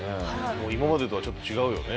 もう今までとはちょっと違うよね。